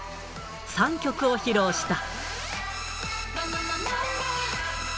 ３曲を披露した。